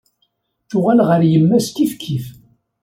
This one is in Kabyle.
Tuɣal ɣer yemma-s kif kif.